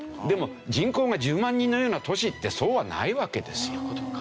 でも人口が１０万人のような都市ってそうはないわけですよ。